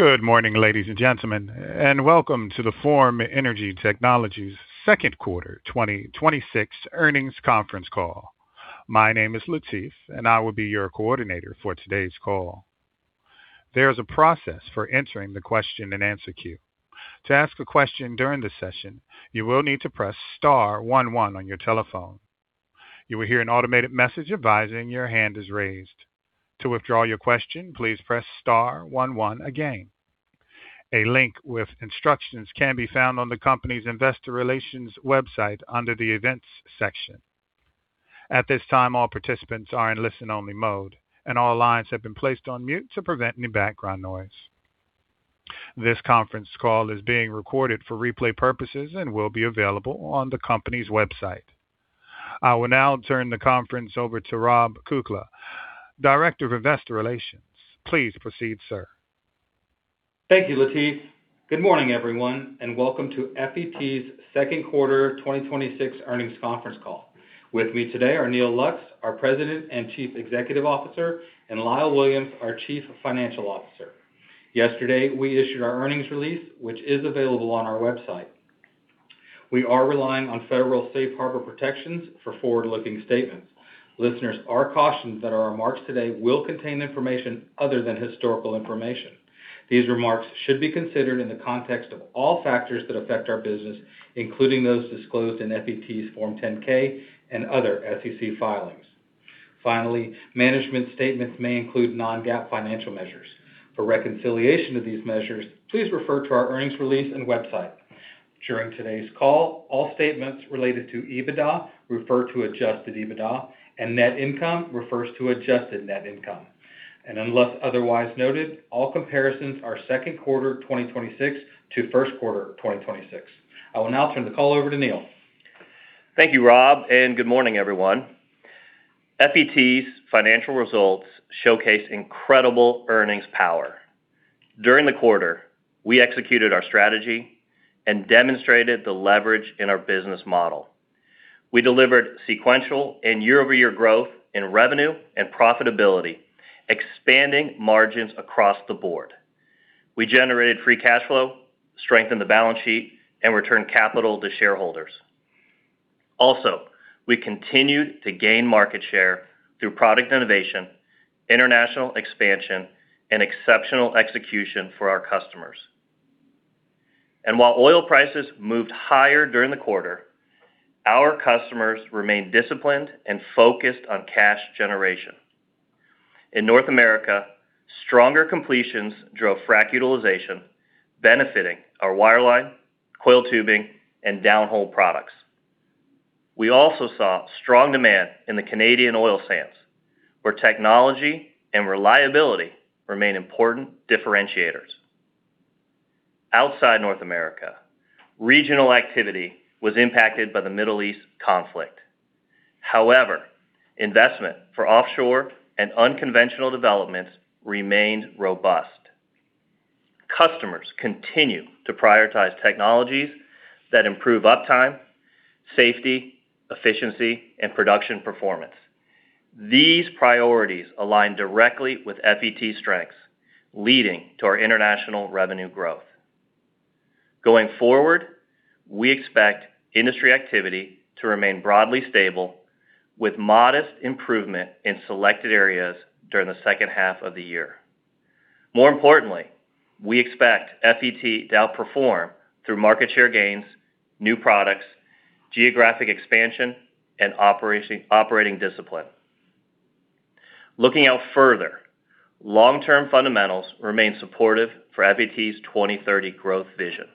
Good morning, ladies and gentlemen, welcome to the Forum Energy Technologies second quarter 2026 earnings conference call. My name is Latif, I will be your coordinator for today's call. There is a process for entering the question-and-answer queue. To ask a question during the session, you will need to press star one one on your telephone. You will hear an automated message advising your hand is raised. To withdraw your question, please press star one one again. A link with instructions can be found on the company's investor relations website under the Events section. At this time, all participants are in listen-only mode, all lines have been placed on mute to prevent any background noise. This conference call is being recorded for replay purposes and will be available on the company's website. I will now turn the conference over to Rob Kukla, Director of Investor Relations. Please proceed, sir. Thank you, Latif. Good morning, everyone, welcome to FET's second quarter 2026 earnings conference call. With me today are Neal Lux, our President and Chief Executive Officer, Lyle Williams, our Chief Financial Officer. Yesterday, we issued our earnings release, which is available on our website. We are relying on federal safe harbor protections for forward-looking statements. Listeners are cautioned that our remarks today will contain information other than historical information. These remarks should be considered in the context of all factors that affect our business, including those disclosed in FET's Form 10-K and other SEC filings. Management statements may include non-GAAP financial measures. For reconciliation of these measures, please refer to our earnings release and website. During today's call, all statements related to EBITDA refer to adjusted EBITDA, net income refers to adjusted net income. Unless otherwise noted, all comparisons are second quarter 2026 to first quarter 2026. I will now turn the call over to Neal. Thank you, Rob, and good morning, everyone. FET's financial results showcase incredible earnings power. During the quarter, we executed our strategy and demonstrated the leverage in our business model. We delivered sequential and year-over-year growth in revenue and profitability, expanding margins across the board. We generated free cash flow, strengthened the balance sheet, and returned capital to shareholders. We continued to gain market share through product innovation, international expansion, and exceptional execution for our customers. While oil prices moved higher during the quarter, our customers remained disciplined and focused on cash generation. In North America, stronger completions drove frack utilization, benefiting our wireline, coiled tubing, and downhole products. We also saw strong demand in the Canadian oil sands, where technology and reliability remain important differentiators. Outside North America, regional activity was impacted by the Middle East conflict. However, investment for offshore and unconventional developments remained robust. Customers continue to prioritize technologies that improve uptime, safety, efficiency, and production performance. These priorities align directly with FET's strengths, leading to our international revenue growth. Going forward, we expect industry activity to remain broadly stable, with modest improvement in selected areas during the second half of the year. More importantly, we expect FET to outperform through market share gains, new products, geographic expansion, and operating discipline. Looking out further, long-term fundamentals remain supportive for FET's 2030 growth vision.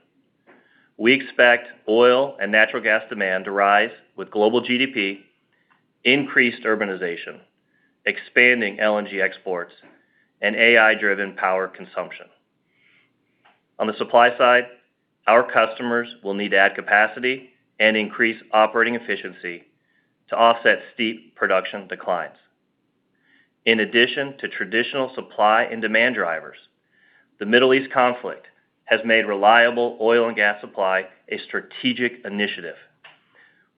We expect oil and natural gas demand to rise with global GDP, increased urbanization, expanding LNG exports, and AI-driven power consumption. On the supply side, our customers will need to add capacity and increase operating efficiency to offset steep production declines. In addition to traditional supply and demand drivers, the Middle East conflict has made reliable oil and gas supply a strategic initiative.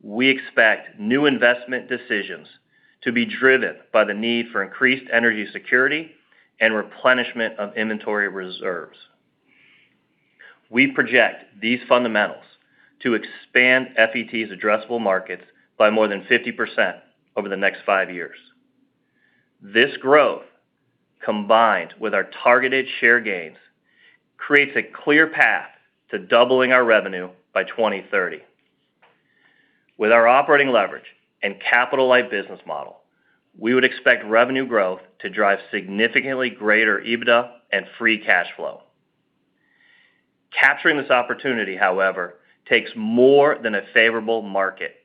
We expect new investment decisions to be driven by the need for increased energy security and replenishment of inventory reserves. We project these fundamentals to expand FET's addressable markets by more than 50% over the next five years. This growth, combined with our targeted share gains, creates a clear path to doubling our revenue by 2030. With our operating leverage and capital-light business model, we would expect revenue growth to drive significantly greater EBITDA and free cash flow. Capturing this opportunity, however, takes more than a favorable market.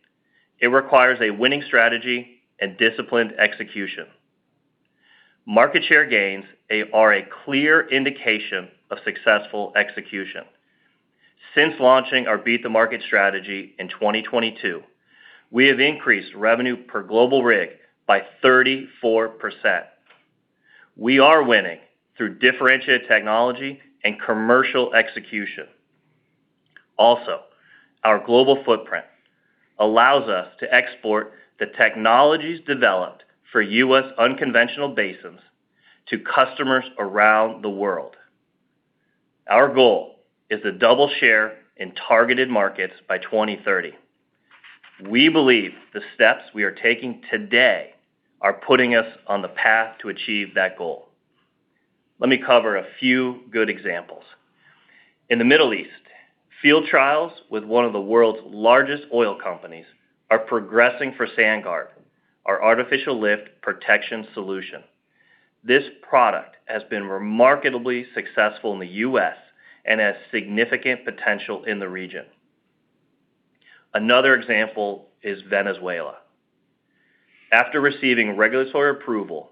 It requires a winning strategy and disciplined execution. Market share gains are a clear indication of successful execution. Since launching our Beat the Market strategy in 2022, we have increased revenue per global rig by 34%. We are winning through differentiated technology and commercial execution. Our global footprint allows us to export the technologies developed for U.S. unconventional basins to customers around the world. Our goal is to double share in targeted markets by 2030. We believe the steps we are taking today are putting us on the path to achieve that goal. Let me cover a few good examples. In the Middle East, field trials with one of the world's largest oil companies are progressing for SandGuard, our artificial lift protection solution. This product has been remarkably successful in the U.S. and has significant potential in the region. Another example is Venezuela. After receiving regulatory approval,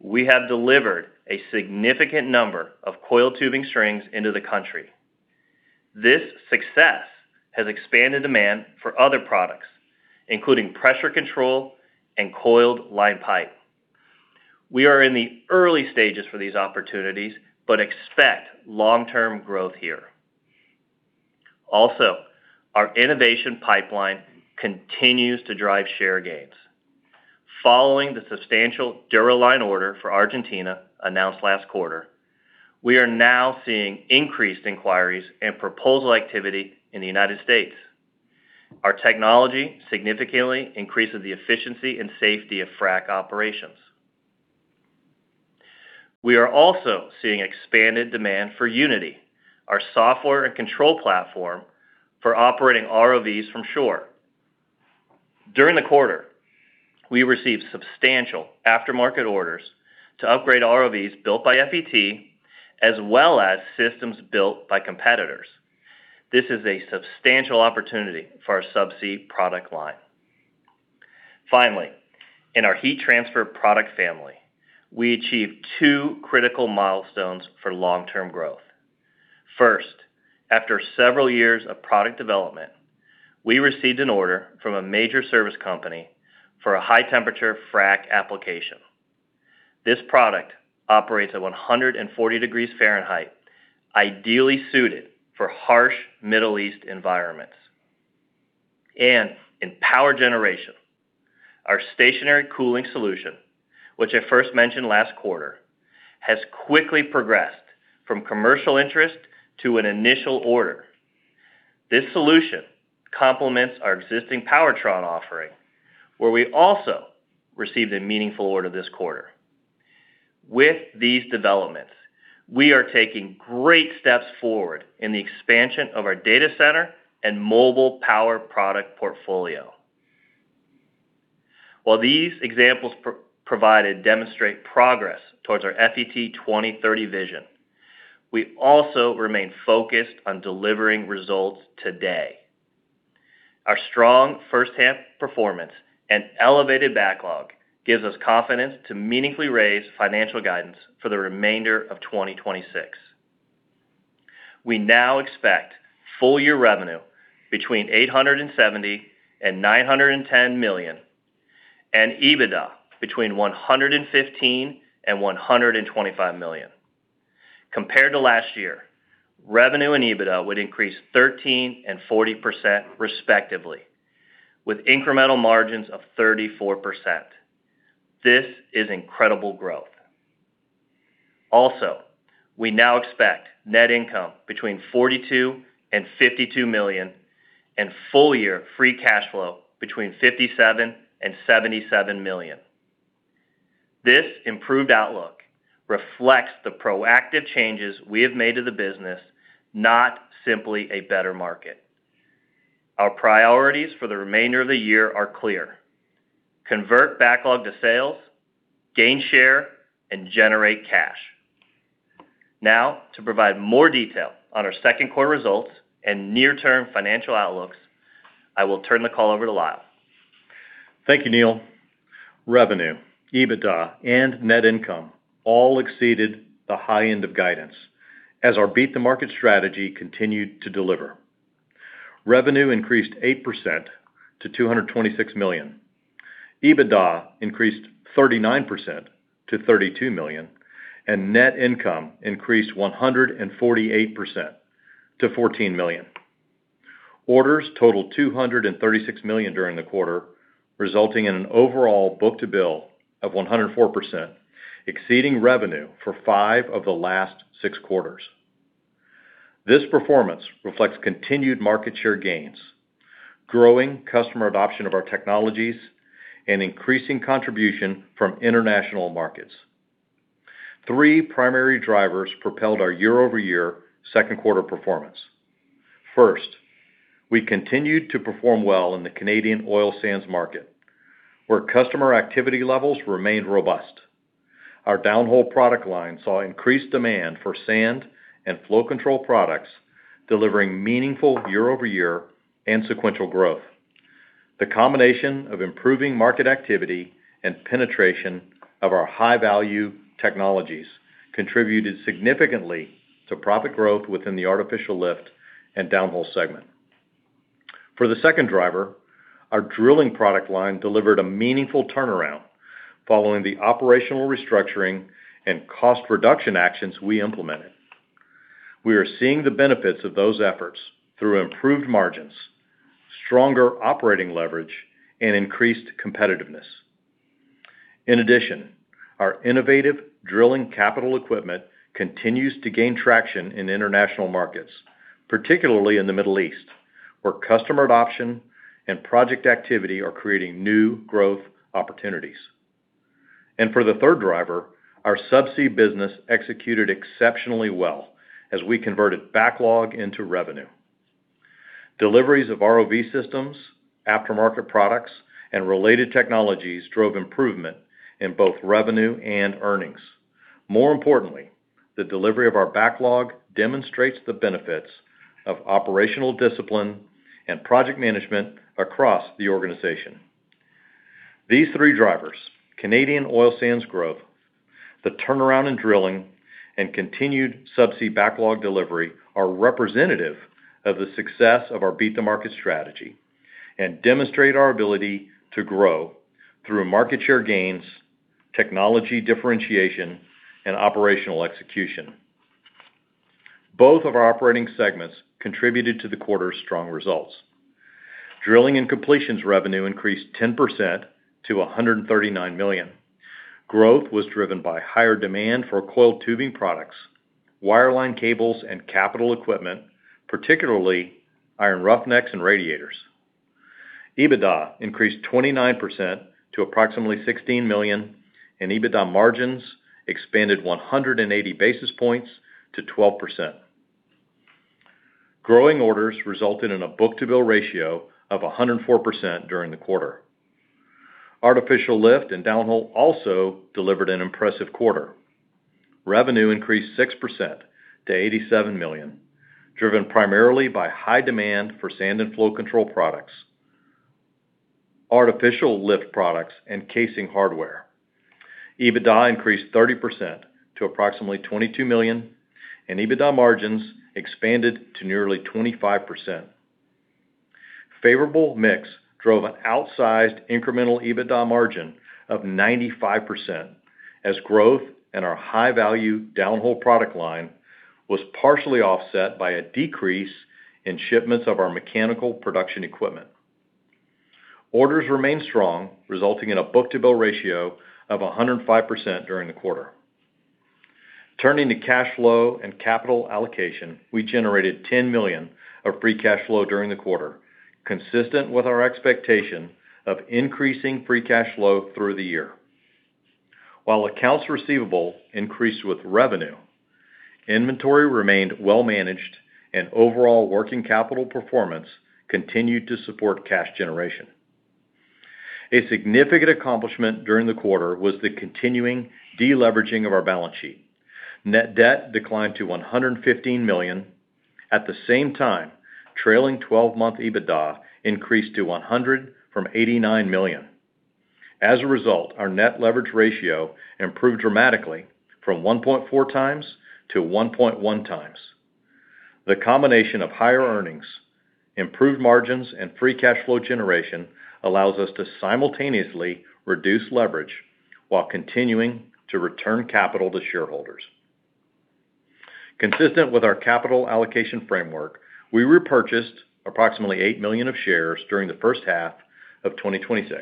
we have delivered a significant number of coiled tubing strings into the country. This success has expanded demand for other products, including pressure control and Coiled Line Pipe. We are in the early stages for these opportunities but expect long-term growth here. Our innovation pipeline continues to drive share gains. Following the substantial DuraLine order for Argentina announced last quarter, we are now seeing increased inquiries and proposal activity in the U.S. Our technology significantly increases the efficiency and safety of frac operations. We are also seeing expanded demand for Unity, our software and control platform for operating ROVs from shore. During the quarter, we received substantial aftermarket orders to upgrade ROVs built by FET, as well as systems built by competitors. This is a substantial opportunity for our subsea product line. Finally, in our heat transfer product family, we achieved two critical milestones for long-term growth. First, after several years of product development, we received an order from a major service company for a high-temperature frac application. This product operates at 140 degrees Fahrenheit, ideally suited for harsh Middle East environments. In power generation, our stationary cooling solution, which I first mentioned last quarter, has quickly progressed from commercial interest to an initial order. This solution complements our existing Powertron offering, where we also received a meaningful order this quarter. With these developments, we are taking great steps forward in the expansion of our data center and mobile power product portfolio. While these examples provided demonstrate progress towards our FET 2030 vision, we also remain focused on delivering results today. Our strong first-half performance and elevated backlog gives us confidence to meaningfully raise financial guidance for the remainder of 2026. We now expect full-year revenue between $870 million and $910 million, and EBITDA between $115 million and $125 million. Compared to last year, revenue and EBITDA would increase 13% and 40% respectively, with incremental margins of 34%. This is incredible growth. We now expect net income between $42 million and $52 million and full-year free cash flow between $57 million and $77 million. This improved outlook reflects the proactive changes we have made to the business, not simply a better market. Our priorities for the remainder of the year are clear: convert backlog to sales, gain share, and generate cash. To provide more detail on our second quarter results and near-term financial outlooks, I will turn the call over to Lyle. Thank you, Neal. Revenue, EBITDA, and net income all exceeded the high end of guidance as our Beat the Market strategy continued to deliver. Revenue increased 8% to $226 million. EBITDA increased 39% to $32 million, and net income increased 148% to $14 million. Orders totaled $236 million during the quarter, resulting in an overall book-to-bill of 104%, exceeding revenue for five of the last six quarters. This performance reflects continued market share gains, growing customer adoption of our technologies, and increasing contribution from international markets. Three primary drivers propelled our year-over-year second quarter performance. First, we continued to perform well in the Canadian oil sands market, where customer activity levels remained robust. Our downhole product line saw increased demand for sand and flow control products, delivering meaningful year-over-year and sequential growth. The combination of improving market activity and penetration of our high-value technologies contributed significantly to profit growth within the Artificial Lift and Downhole segment. For the second driver, our drilling product line delivered a meaningful turnaround following the operational restructuring and cost reduction actions we implemented. We are seeing the benefits of those efforts through improved margins, stronger operating leverage, and increased competitiveness. In addition, our innovative drilling capital equipment continues to gain traction in international markets, particularly in the Middle East, where customer adoption and project activity are creating new growth opportunities. For the third driver, our subsea business executed exceptionally well as we converted backlog into revenue. Deliveries of ROV systems, aftermarket products, and related technologies drove improvement in both revenue and earnings. More importantly, the delivery of our backlog demonstrates the benefits of operational discipline and project management across the organization. These three drivers, Canadian oil sands growth, the turnaround in drilling, and continued subsea backlog delivery, are representative of the success of our Beat the Market strategy and demonstrate our ability to grow through market share gains, technology differentiation, and operational execution. Both of our operating segments contributed to the quarter's strong results. Drilling and Completions revenue increased 10% to $139 million. Growth was driven by higher demand for coiled tubing products, wireline cables, and capital equipment, particularly Iron Roughnecks and radiators. EBITDA increased 29% to approximately $16 million, and EBITDA margins expanded 180 basis points to 12%. Growing orders resulted in a book-to-bill ratio of 104% during the quarter. Artificial Lift and Downhole also delivered an impressive quarter. Revenue increased 6% to $87 million, driven primarily by high demand for sand and flow control products, artificial lift products, and casing hardware. EBITDA increased 30% to approximately $22 million, and EBITDA margins expanded to nearly 25%. Favorable mix drove an outsized incremental EBITDA margin of 95%, as growth in our high-value downhole product line was partially offset by a decrease in shipments of our mechanical production equipment. Orders remained strong, resulting in a book-to-bill ratio of 105% during the quarter. Turning to cash flow and capital allocation, we generated $10 million of free cash flow during the quarter, consistent with our expectation of increasing free cash flow through the year. While accounts receivable increased with revenue, inventory remained well managed, and overall working capital performance continued to support cash generation. A significant accomplishment during the quarter was the continuing de-leveraging of our balance sheet. Net debt declined to $115 million. At the same time, trailing 12-month EBITDA increased to $100 million from $89 million. As a result, our net leverage ratio improved dramatically from 1.4x to 1.1x. The combination of higher earnings, improved margins, and free cash flow generation allows us to simultaneously reduce leverage while continuing to return capital to shareholders. Consistent with our capital allocation framework, we repurchased approximately 8 million of shares during the first half of 2026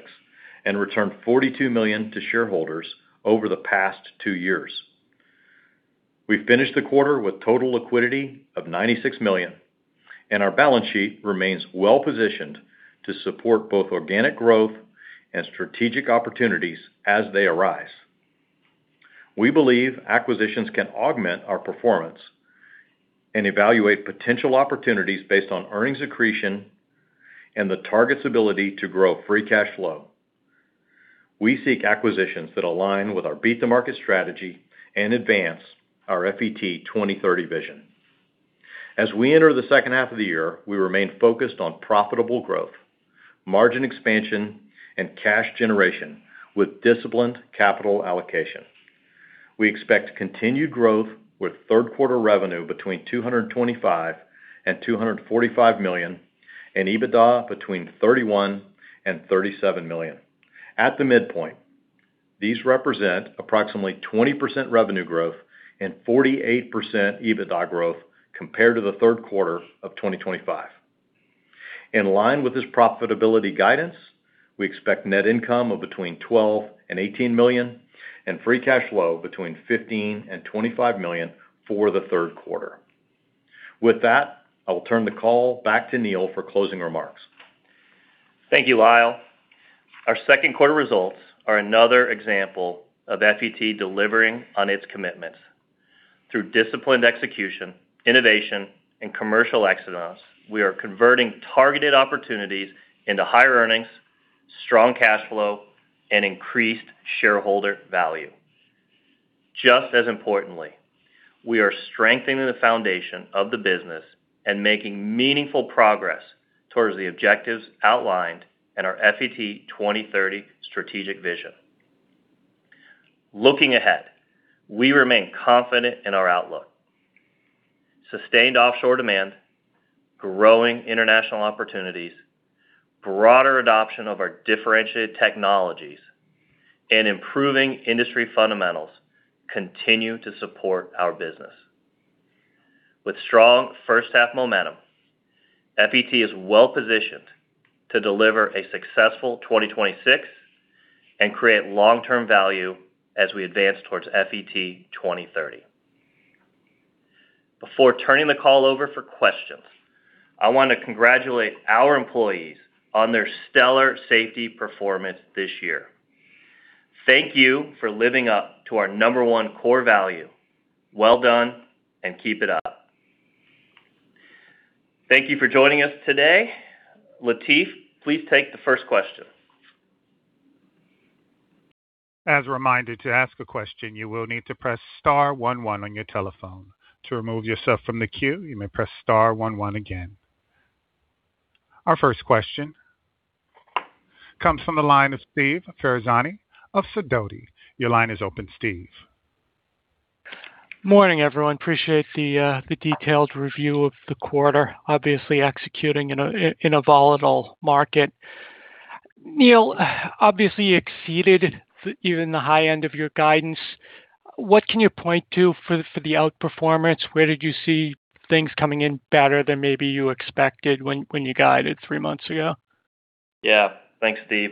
and returned $42 million to shareholders over the past two years. We finished the quarter with total liquidity of $96 million, and our balance sheet remains well-positioned to support both organic growth and strategic opportunities as they arise. We believe acquisitions can augment our performance and evaluate potential opportunities based on earnings accretion and the target's ability to grow free cash flow. We seek acquisitions that align with our Beat the Market strategy and advance our FET 2030 vision. As we enter the second half of the year, we remain focused on profitable growth, margin expansion, and cash generation with disciplined capital allocation. We expect continued growth with third quarter revenue between $225 million and $245 million and EBITDA between $31 million and $37 million. At the midpoint, these represent approximately 20% revenue growth and 48% EBITDA growth compared to the third quarter of 2025. In line with this profitability guidance, we expect net income of between $12 million and $18 million and free cash flow between $15 million and $25 million for the third quarter. With that, I will turn the call back to Neal for closing remarks. Thank you, Lyle. Our second quarter results are another example of FET delivering on its commitments. Through disciplined execution, innovation, and commercial excellence, we are converting targeted opportunities into higher earnings, strong cash flow, and increased shareholder value. Just as importantly, we are strengthening the foundation of the business and making meaningful progress towards the objectives outlined in our FET 2030 strategic vision. Looking ahead, we remain confident in our outlook. Sustained offshore demand, growing international opportunities, broader adoption of our differentiated technologies, and improving industry fundamentals continue to support our business. With strong first half momentum, FET is well-positioned to deliver a successful 2026 and create long-term value as we advance towards FET 2030. Before turning the call over for questions, I want to congratulate our employees on their stellar safety performance this year. Thank you for living up to our number one core value. Well done, and keep it up. Thank you for joining us today. Latif, please take the first question. As a reminder, to ask a question, you will need to press star one one on your telephone. To remove yourself from the queue, you may press star one one again. Our first question comes from the line of Steve Ferazani of Sidoti. Your line is open, Steve. Morning, everyone. Appreciate the detailed review of the quarter. Executing in a volatile market. Neal, you exceeded even the high end of your guidance. What can you point to for the outperformance? Where did you see things coming in better than maybe you expected when you guided three months ago? Yeah. Thanks, Steve.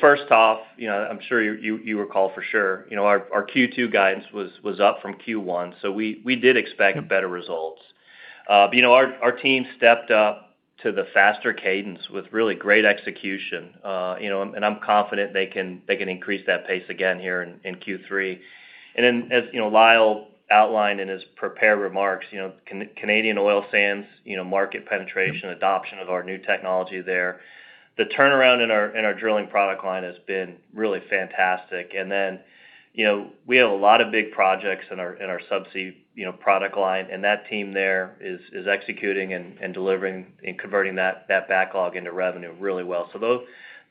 First off, I'm sure you recall for sure, our Q2 guidance was up from Q1, so we did expect better results. Our team stepped up to the faster cadence with really great execution. I'm confident they can increase that pace again here in Q3. As Lyle outlined in his prepared remarks, Canadian oil sands market penetration, adoption of our new technology there, the turnaround in our drilling product line has been really fantastic. We have a lot of big projects in our subsea product line, and that team there is executing and delivering and converting that backlog into revenue really well.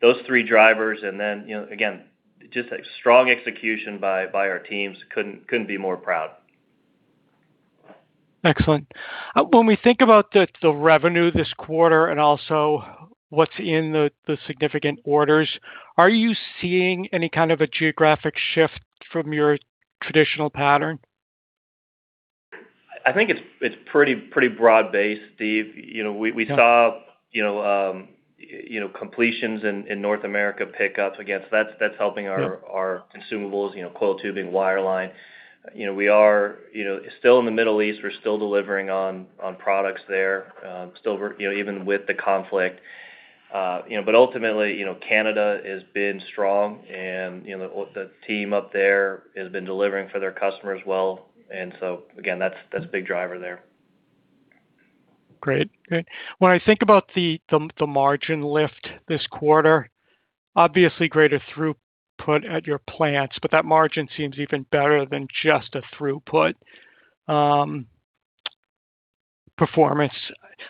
Those three drivers and then, again, just a strong execution by our teams. Couldn't be more proud. Excellent. When we think about the revenue this quarter and also what's in the significant orders, are you seeing any kind of a geographic shift from your traditional pattern? I think it's pretty broad-based, Steve. We saw completions in North America pick up again, so that's helping our consumables, coiled tubing, wireline. Still in the Middle East, we're still delivering on products there, even with the conflict. Ultimately, Canada has been strong and the team up there has been delivering for their customers well, and so again, that's a big driver there. Great. When I think about the margin lift this quarter, obviously greater throughput at your plants, but that margin seems even better than just a throughput performance.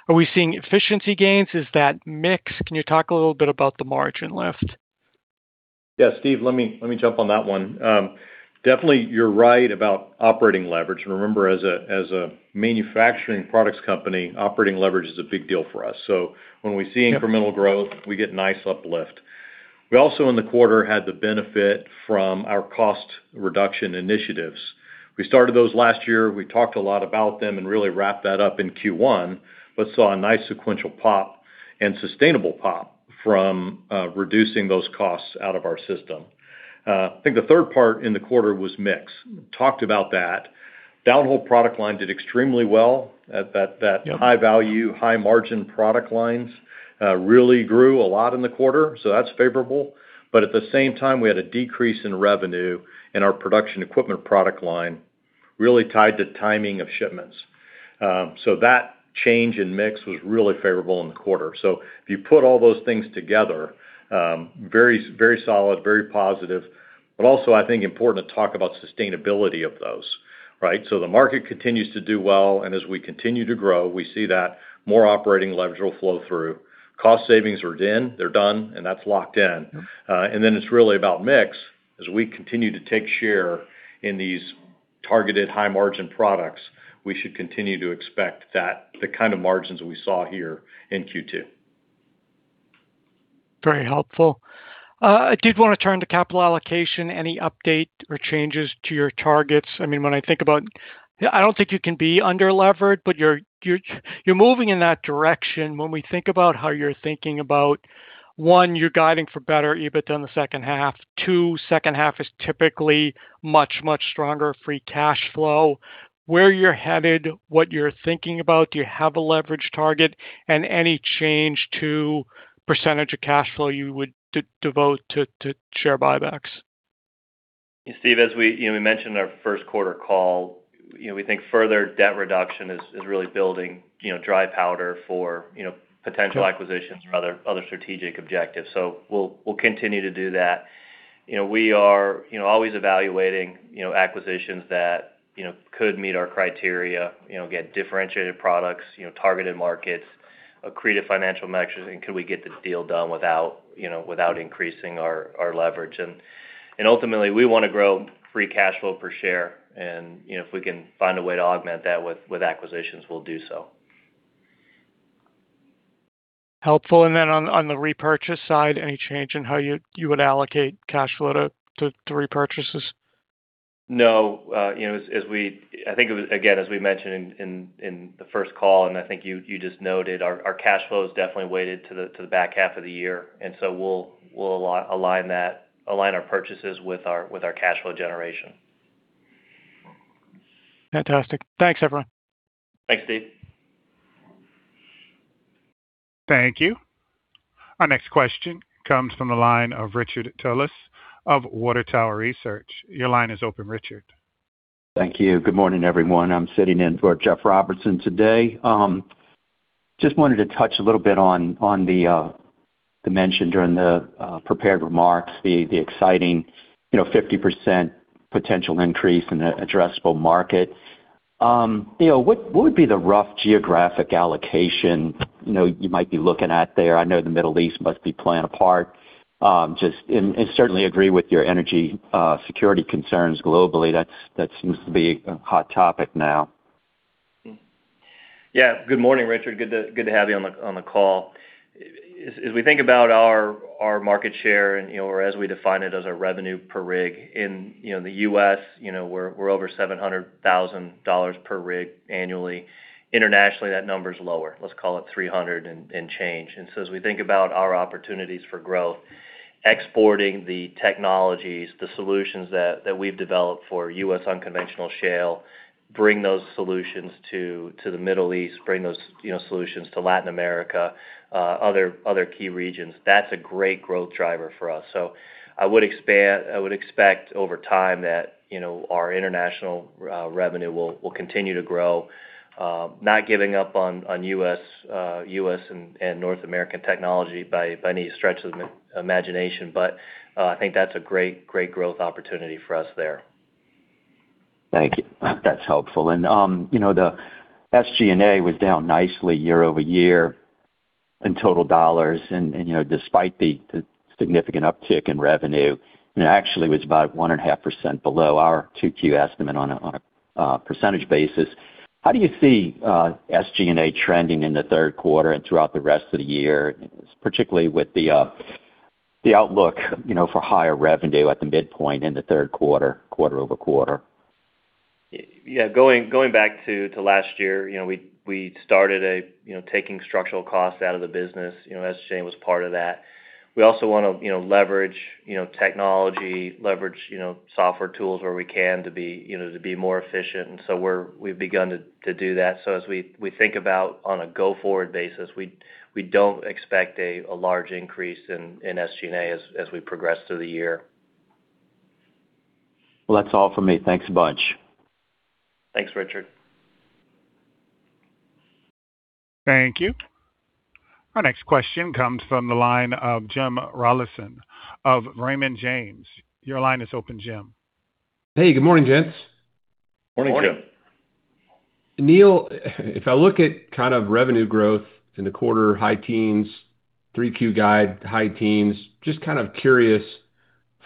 Are we seeing efficiency gains? Is that mix? Can you talk a little bit about the margin lift? Yeah, Steve, let me jump on that one. Definitely, you're right about operating leverage. Remember, as a manufacturing products company, operating leverage is a big deal for us. When we see incremental growth, we get nice uplift. We also in the quarter had the benefit from our cost reduction initiatives. We started those last year. We talked a lot about them and really wrapped that up in Q1, but saw a nice sequential pop and sustainable pop from reducing those costs out of our system. I think the third part in the quarter was mix. Talked about that. Downhole product line did extremely well at that high value, high margin product lines, really grew a lot in the quarter, so that's favorable. At the same time, we had a decrease in revenue in our production equipment product line, really tied to timing of shipments. That change in mix was really favorable in the quarter. If you put all those things together, very solid, very positive, but also I think important to talk about sustainability of those. Right? The market continues to do well, and as we continue to grow, we see that more operating leverage will flow through. Cost savings are in, they're done, and that's locked in. It's really about mix. As we continue to take share in these targeted high margin products, we should continue to expect the kind of margins we saw here in Q2. Very helpful. I did want to turn to capital allocation. Any update or changes to your targets? When I think about I don't think you can be under-levered, but you're moving in that direction. When we think about how you're thinking about, one, you're guiding for better EBIT than the second half. Two, second half is typically much stronger free cash flow. Where you're headed, what you're thinking about, do you have a leverage target? Any change to percentage of cash flow you would devote to share buybacks? Steve, as we mentioned in our first quarter call, we think further debt reduction is really building dry powder for potential acquisitions or other strategic objectives. We'll continue to do that. We are always evaluating acquisitions that could meet our criteria, get differentiated products, targeted markets, accretive financial measures, and could we get the deal done without increasing our leverage. Ultimately, we want to grow free cash flow per share. If we can find a way to augment that with acquisitions, we'll do so. Helpful. Then on the repurchase side, any change in how you would allocate cash flow to repurchases? No. I think, again, as we mentioned in the first call, and I think you just noted, our cash flow is definitely weighted to the back half of the year. We'll align our purchases with our cash flow generation. Fantastic. Thanks, everyone. Thanks, Steve. Thank you. Our next question comes from the line of Richard Tullis of Water Tower Research. Your line is open, Richard. Thank you. Good morning, everyone. I'm sitting in for Jeff Robertson today. Just wanted to touch a little bit on the mention during the prepared remarks, the exciting 50% potential increase in the addressable market. What would be the rough geographic allocation you might be looking at there? I know the Middle East must be playing a part. Certainly agree with your energy security concerns globally. That seems to be a hot topic now. Good morning, Richard. Good to have you on the call. As we think about our market share and as we define it as a revenue per rig in the U.S., we're over $700,000 per rig annually. Internationally, that number's lower. Let's call it 300 and change. As we think about our opportunities for growth, exporting the technologies, the solutions that we've developed for U.S. unconventional shale, bring those solutions to the Middle East, bring those solutions to Latin America, other key regions, that's a great growth driver for us. I would expect over time that our international revenue will continue to grow. Not giving up on U.S. and North American technology by any stretch of the imagination, but I think that's a great growth opportunity for us there. Thank you. That's helpful. The SG&A was down nicely year-over-year in total dollars. Despite the significant uptick in revenue, and actually was about 1.5% below our 2Q estimate on a percentage basis. How do you see SG&A trending in the third quarter and throughout the rest of the year, particularly with the outlook for higher revenue at the midpoint in the third quarter-over-quarter? Going back to last year, we started taking structural costs out of the business. SG&A was part of that. We also want to leverage technology, leverage software tools where we can to be more efficient. We've begun to do that. As we think about on a go-forward basis, we don't expect a large increase in SG&A as we progress through the year. That's all for me. Thanks a bunch. Thanks, Richard. Thank you. Our next question comes from the line of Jim Rollyson of Raymond James. Your line is open, Jim. Hey, good morning, gents. Morning, Jim. Morning. Neal, if I look at kind of revenue growth in the quarter, high teens, 3Q guide, high teens, just kind of curious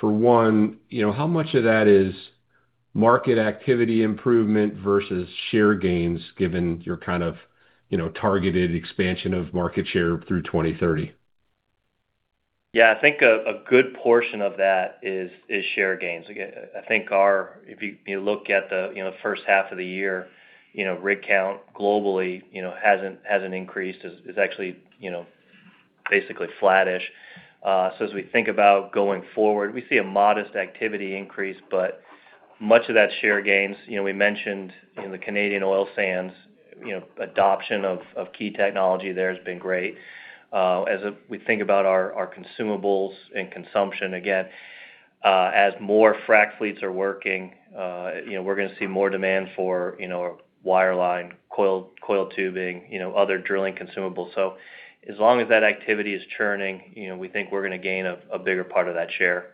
for one, how much of that is market activity improvement versus share gains given your kind of targeted expansion of market share through 2030? Yeah, I think a good portion of that is share gains. I think if you look at the first half of the year, rig count globally hasn't increased. It's actually basically flattish. As we think about going forward, we see a modest activity increase, but much of that's share gains. We mentioned in the Canadian oil sands, adoption of key technology there has been great. As we think about our consumables and consumption, again, as more frac fleets are working, we're gonna see more demand for wireline, coiled tubing, other drilling consumables. As long as that activity is churning, we think we're gonna gain a bigger part of that share.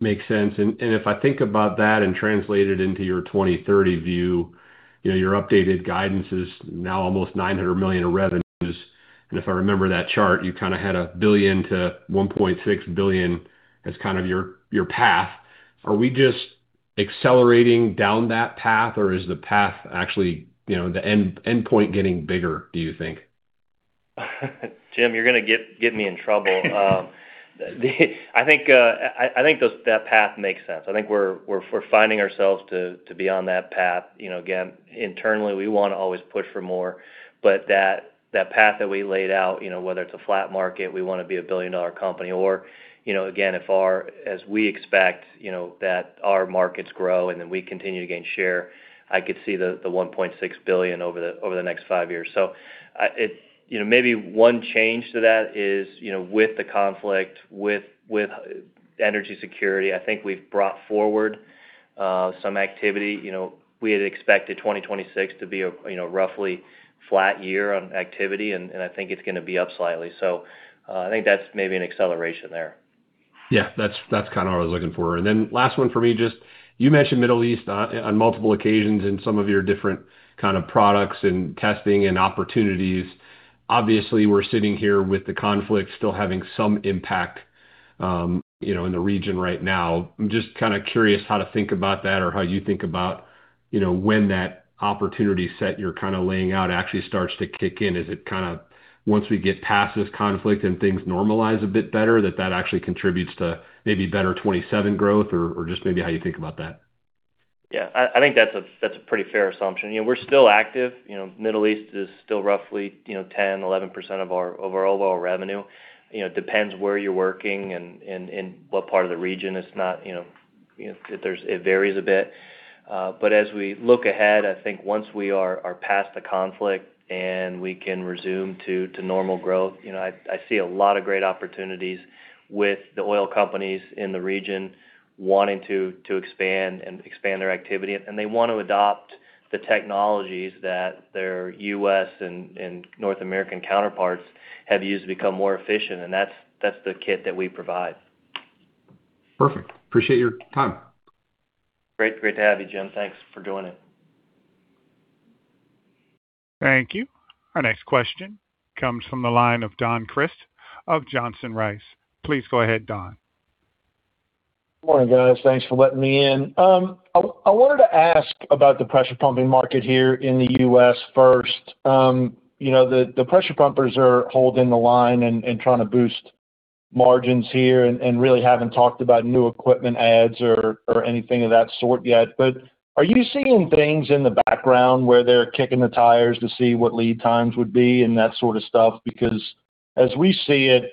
Makes sense. If I think about that and translate it into your 2030 view, your updated guidance is now almost $900 million of revenues. If I remember that chart, you kind of had $1 billion-$1.6 billion as kind of your path. Are we just accelerating down that path, or is the path actually, the end point getting bigger, do you think? Jim, you're gonna get me in trouble. I think that path makes sense. I think we're finding ourselves to be on that path. Again, internally, we wanna always push for more. That path that we laid out, whether it's a flat market, we wanna be a billion-dollar company, or again, as we expect that our markets grow and then we continue to gain share, I could see the $1.6 billion over the next five years. Maybe one change to that is with the conflict, with energy security, I think we've brought forward some activity. We had expected 2026 to be a roughly flat year on activity, and I think it's gonna be up slightly. I think that's maybe an acceleration there. Yeah, that's what I was looking for. Last one for me, you mentioned Middle East on multiple occasions in some of your different kind of products and testing and opportunities. Obviously, we're sitting here with the conflict still having some impact in the region right now. I'm just curious how to think about that or how you think about when that opportunity set you're laying out actually starts to kick in. Is it once we get past this conflict and things normalize a bit better, that that actually contributes to maybe better 2027 growth or just maybe how you think about that? Yeah. I think that's a pretty fair assumption. We're still active. Middle East is still roughly 10%, 11% of our overall oil revenue. Depends where you're working and what part of the region. It varies a bit. As we look ahead, I think once we are past the conflict and we can resume to normal growth, I see a lot of great opportunities with the oil companies in the region wanting to expand and expand their activity. They want to adopt the technologies that their U.S. and North American counterparts have used to become more efficient, and that's the kit that we provide. Perfect. Appreciate your time. Great to have you, Jim. Thanks for joining. Thank you. Our next question comes from the line of Don Crist of Johnson Rice. Please go ahead, Don. Morning, guys. Thanks for letting me in. I wanted to ask about the pressure pumping market here in the U.S. first. The pressure pumpers are holding the line and trying to boost margins here and really haven't talked about new equipment adds or anything of that sort yet. Are you seeing things in the background where they're kicking the tires to see what lead times would be and that sort of stuff? Because as we see it,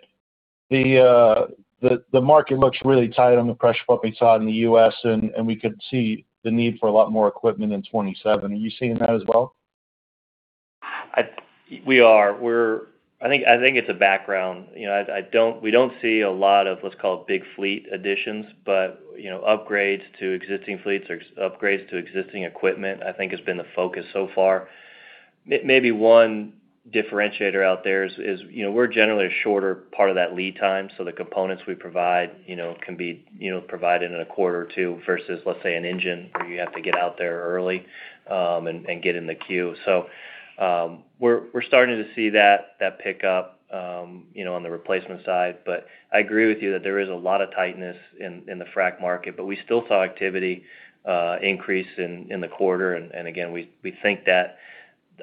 the market looks really tight on the pressure pumping side in the U.S., and we could see the need for a lot more equipment in 2027. Are you seeing that as well? We are. I think it's a background. We don't see a lot of what's called big fleet additions, upgrades to existing fleets or upgrades to existing equipment, I think has been the focus so far. Maybe one differentiator out there is, we're generally a shorter part of that lead time, so the components we provide can be provided in a quarter or two versus, let's say, an engine where you have to get out there early and get in the queue. We're starting to see that pickup on the replacement side. I agree with you that there is a lot of tightness in the frack market, but we still saw activity increase in the quarter, and again, we think that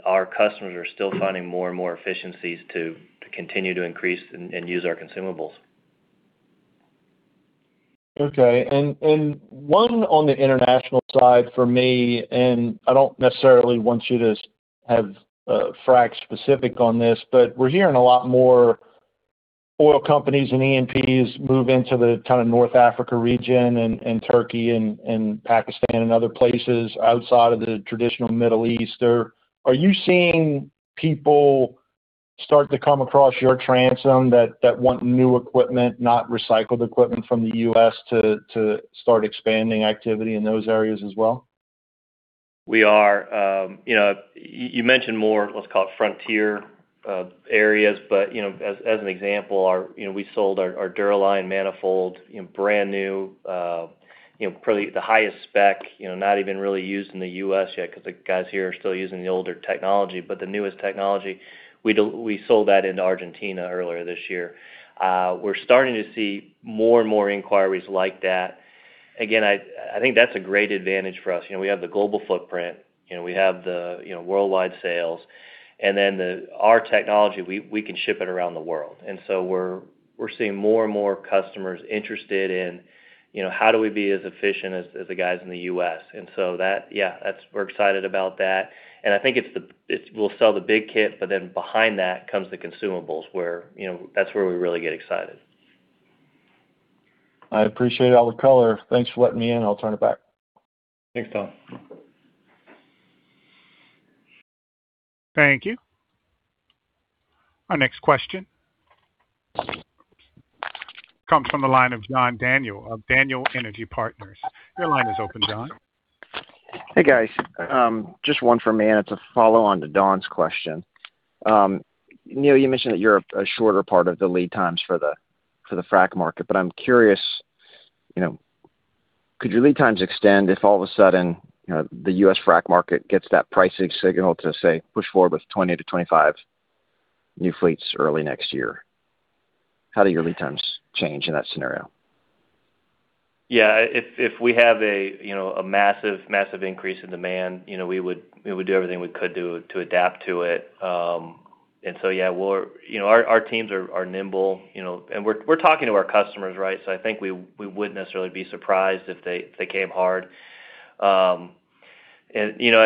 our customers are still finding more and more efficiencies to continue to increase and use our consumables. Okay. One on the international side for me, and I don't necessarily want you to have frack specific on this, we're hearing a lot more oil companies and E&Ps move into the North Africa region and Turkey and Pakistan and other places outside of the traditional Middle East. Are you seeing people start to come across your transom that want new equipment, not recycled equipment from the U.S. to start expanding activity in those areas as well? We are. You mentioned more, let's call it frontier areas. As an example, we sold our DuraLine manifold, brand new, probably the highest spec, not even really used in the U.S. yet because the guys here are still using the older technology. The newest technology, we sold that into Argentina earlier this year. We're starting to see more and more inquiries like that. Again, I think that's a great advantage for us. We have the global footprint. We have the worldwide sales. Our technology, we can ship it around the world. We're seeing more and more customers interested in how do we be as efficient as the guys in the U.S. That, yeah, we're excited about that. I think we'll sell the big kit, but then behind that comes the consumables, that's where we really get excited. I appreciate all the color. Thanks for letting me in. I'll turn it back. Thanks, Don. Thank you. Our next question comes from the line of John Daniel of Daniel Energy Partners. Your line is open, John. Hey, guys. Just one for me. It's a follow-on to Don's question. Neal, you mentioned that you're a shorter part of the lead times for the frack market. I'm curious, could your lead times extend if all of a sudden the U.S. frack market gets that pricing signal to, say, push forward with 20-25 new fleets early next year? How do your lead times change in that scenario? Yeah. If we have a massive increase in demand, we would do everything we could do to adapt to it. Yeah. Our teams are nimble and we're talking to our customers, right? I think we wouldn't necessarily be surprised if they came hard. I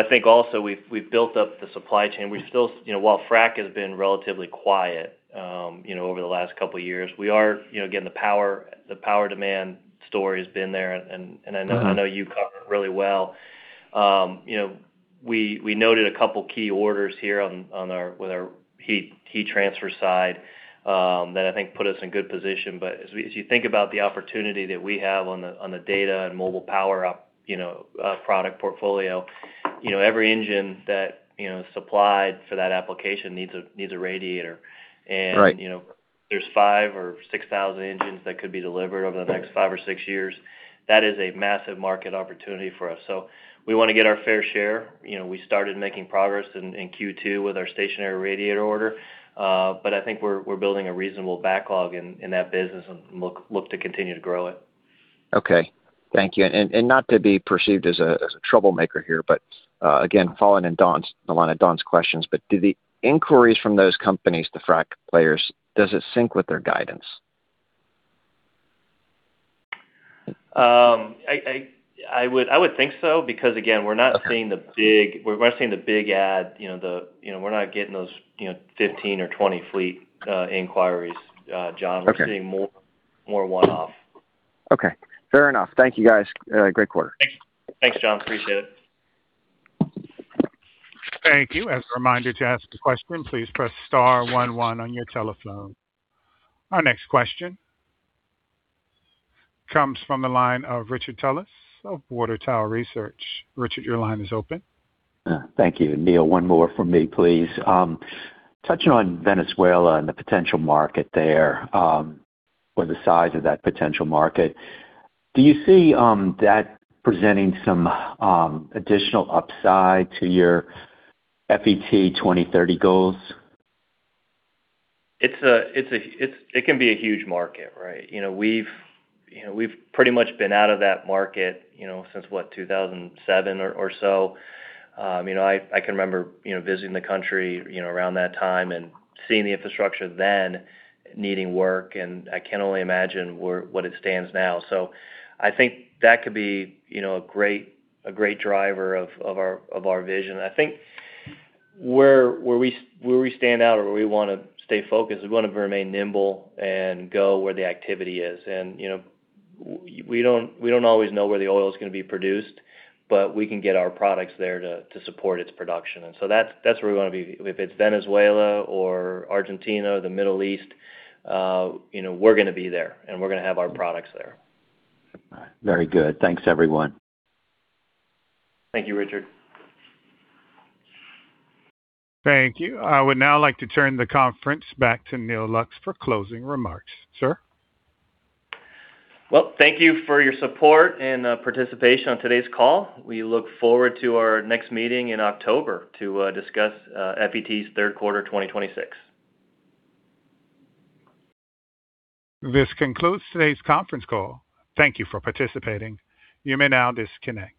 think also we've built up the supply chain. While frack has been relatively quiet over the last couple of years, again, the power demand story has been there, and I know you've covered it really well. We noted a couple key orders here with our heat transfer side that I think put us in good position. As you think about the opportunity that we have on the data and mobile power product portfolio, every engine that supplied for that application needs a radiator. Right. There's 5,000 or 6,000 engines that could be delivered over the next five or six years. That is a massive market opportunity for us. We want to get our fair share. We started making progress in Q2 with our stationary radiator order. I think we're building a reasonable backlog in that business and look to continue to grow it. Okay. Thank you. Not to be perceived as a troublemaker here, again, following in the line of Don's questions, do the inquiries from those companies, the frack players, does it sync with their guidance? I would think so, because again, we're not seeing the big add. We're not getting those 15 or 20 fleet inquiries, John. Okay. We're seeing more one-off. Okay. Fair enough. Thank you, guys. Great quarter. Thanks, John. Appreciate it. Thank you. As a reminder, to ask a question, please press star one one on your telephone. Our next question comes from the line of Richard Tullis of Water Tower Research. Richard, your line is open. Thank you, Neal. One more from me, please. Touching on Venezuela and the potential market there, or the size of that potential market, do you see that presenting some additional upside to your FET 2030 goals? It can be a huge market, right? We've pretty much been out of that market since, what, 2007 or so. I can remember visiting the country around that time and seeing the infrastructure then needing work, and I can only imagine where what it stands now. I think that could be a great driver of our vision. I think where we stand out or where we want to stay focused is we want to remain nimble and go where the activity is. We don't always know where the oil's going to be produced, but we can get our products there to support its production. That's where we want to be. If it's Venezuela or Argentina, the Middle East, we're going to be there, and we're going to have our products there. Very good. Thanks, everyone. Thank you, Richard. Thank you. I would now like to turn the conference back to Neal Lux for closing remarks. Sir? Well, thank you for your support and participation on today's call. We look forward to our next meeting in October to discuss FET's third quarter 2026. This concludes today's conference call. Thank you for participating. You may now disconnect.